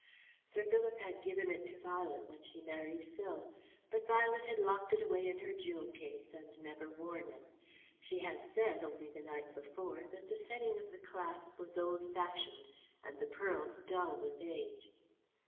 Sir Philip had given it to Violet when she married Phil. But Violet had locked it away in her jewel case and never worn it. She had said, only the night before, that the setting of the clasp was old fashioned, and the pearls dull with age.